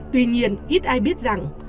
tuy nhiên ít ai biết rằng